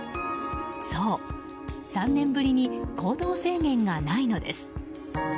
そう、３年ぶりに行動制限がないのです。